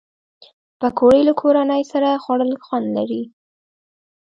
پکورې له کورنۍ سره خوړل خوند لري